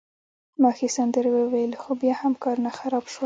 ما ښې سندرې وویلي، خو بیا هم کارونه خراب شول.